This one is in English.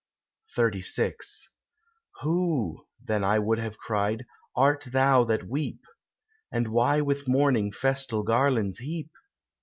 XXXVI "Who," then I would have cried, "art thou that weep? And why with mourning festal garlands heap?